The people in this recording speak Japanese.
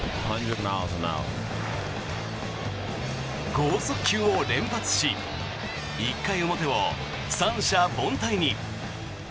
豪速球を連発し１回表を三者凡退に。